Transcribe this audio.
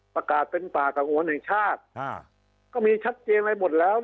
ประกาศเป็นป่ากับโหนแห่งชาติก็มีชัดเจนไปหมดแล้ว